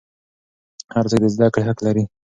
هر څوک د زده کړې حق لري.